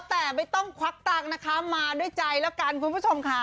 แต่ไม่ต้องควักตากมาด้วยใจละกันคุณผู้ชมค่ะ